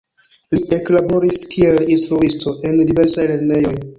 Li eklaboris kiel instruisto en diversaj lernejoj.